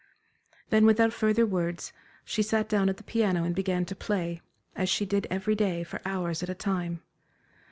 Then without further words, she sat down at the piano and began to play, as she did every day for hours at a time.